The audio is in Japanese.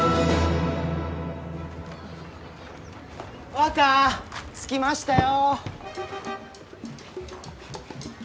若着きましたよ！